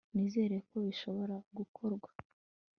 nizera ko bishobora gukorwa